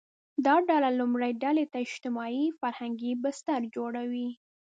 دا ډله لومړۍ ډلې ته اجتماعي – فرهنګي بستر جوړوي